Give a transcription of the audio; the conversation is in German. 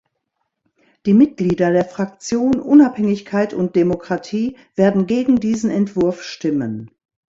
Die Mitglieder der Fraktion Unabhängigkeit und Demokratie werden gegen diesen Entwurf stimmen.